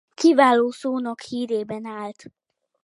Kiváló szónok hírében állt.